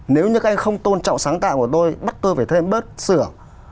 nếu như các anh không tôn trọng sáng tạo của tôi bắt tôi phải thêm bớt sửa